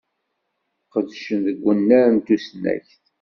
Qedcen deg unnar n tusnakt.